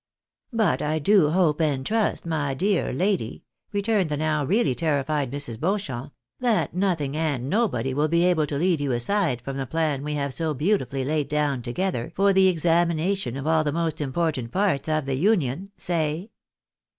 " But I do hope and trust, my near lady," returned tlie now really terrified Mrs. Beauchamp, " that nothing and nobody will be able to lead you aside from the plan we have so beautifully laid down together for the examination of all the most important parts of the Union.— Say?